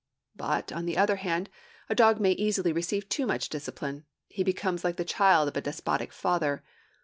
But, on the other hand, a dog may easily receive too much discipline; he becomes like the child of a despotic father.